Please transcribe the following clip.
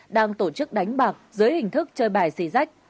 đang tổ chức đánh bạc dưới hình thức chơi bài xì rách